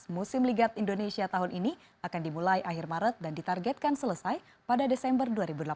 musim ligat indonesia tahun ini akan dimulai akhir maret dan ditargetkan selesai pada desember dua ribu delapan belas